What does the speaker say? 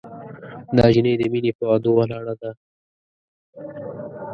دا جینۍ د مینې پهٔ وعدو ولاړه ده